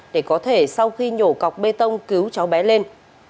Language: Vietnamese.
để có thể sau khi nhổ cọc bê tông cứu cháu bé lên